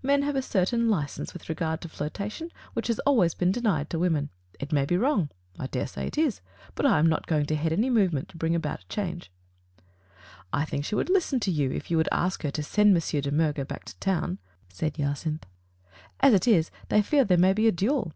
Men have a certain license with regard to flirtation which has always been denied to women. It may be wrong — I dare say it is — but I am not going to head any movement to bring about a change.*' '*I think she would listen to you if you would ask her to send M. de Miirger back to town,*' said Digitized by Google 66 THE FATE OF FENELLA, Jacynth. "As it is, they fear there may be a duel."